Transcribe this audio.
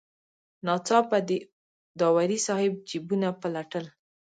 ناڅاپه داوري صاحب جیبونه پلټل.